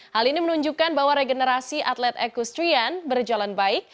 hal ini menunjukkan bahwa regenerasi atlet ekustrian berjalan baik